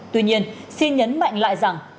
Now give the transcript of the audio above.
tuy nhiên xin nhấn mạnh lại rằng